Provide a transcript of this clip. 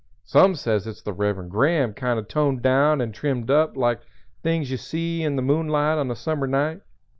Some says it's the Reverend Graham kind of toned down and trimmed up like things you see in the moonlight on a summer night.